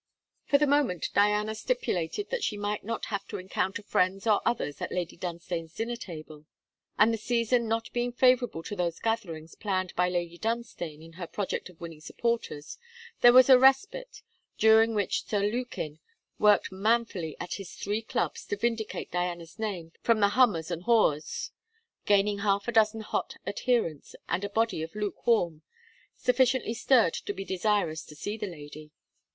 For the moment Diana stipulated that she might not have to encounter friends or others at Lady Dunstane's dinner table, and the season not being favourable to those gatherings planned by Lady Dunstane in her project of winning supporters, there was a respite, during which Sir Lukin worked manfully at his three Clubs to vindicate Diana's name from the hummers and hawers, gaining half a dozen hot adherents, and a body of lukewarm, sufficiently stirred to be desirous to see the lady.